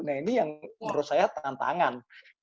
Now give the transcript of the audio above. nah ini yang menurut saya tantangan